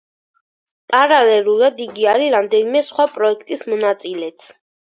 პარალელურად იგი არის რამდენიმე სხვა პროექტის მონაწილეც.